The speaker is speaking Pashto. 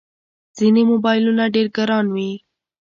ځینې موبایلونه ډېر ګران وي.